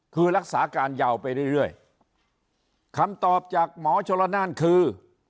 คือรักษาการยาวไปเรื่อยคำตอบจากหมอชนละนานคือ